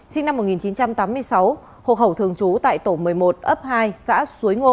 sinh năm một nghìn chín trăm tám mươi sáu hộ khẩu thường trú tại tổ một mươi một ấp hai xã xuối ngô